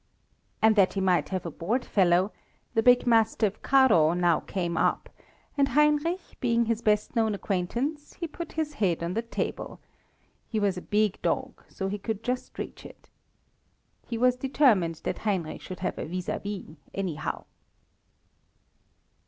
And that he might have a board fellow, the big mastiff Caro now came up, and Heinrich being his best known acquaintance, he put his head on the table he was a big dog, so he could just reach it. He was determined that Heinrich should have a vis à vis, anyhow.